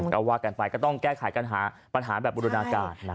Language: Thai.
กระว่ากันไปก็ต้องแก้ไขการหาปัญหาแบบอุดนาการนะครับ